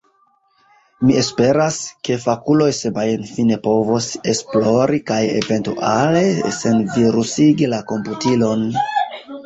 Mi esperas, ke fakuloj semajnfine povos esplori kaj eventuale senvirusigi la komputilon.